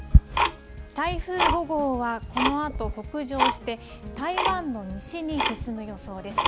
台風５号はこのあと北上して、台湾の西に進む予想です。